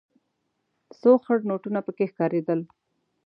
څو خړ نوټونه پکې ښکارېدل.